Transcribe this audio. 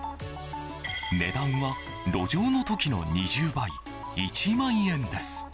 値段は路上の時の２０倍１万円です！